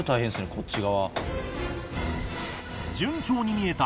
こっち側。